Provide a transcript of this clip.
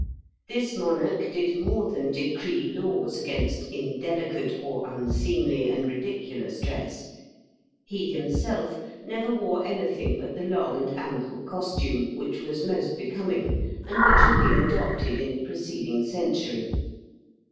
This monarch did more than decree laws against indelicate or unseemly and ridiculous dress; he himself never wore anything but the long and ample costume, which was most becoming, and which had been adopted in the preceding century.